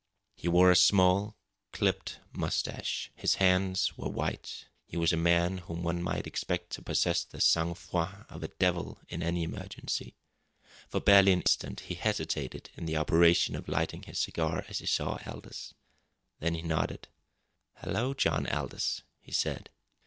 He wore a small, clipped moustache; his hands were white; he was a man whom one might expect to possess the sang froid of a devil in any emergency. For barely an instant he hesitated in the operation of lighting his cigar as he saw Aldous. Then he nodded. "Hello, John Aldous," he said.